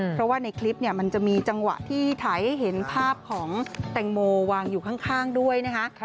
เพราะว่าในคลิปเนี่ยมันจะมีจังหวะที่ถ่ายให้เห็นภาพของแตงโมวางอยู่ข้างด้วยนะคะ